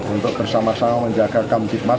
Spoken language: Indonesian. untuk bersama sama menjaga kamtipmas